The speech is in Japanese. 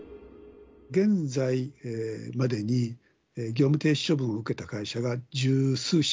現在までに、業務停止処分を受けた会社が十数社。